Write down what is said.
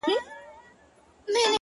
زموږ د كلي څخه ربه ښكلا كډه كړې!!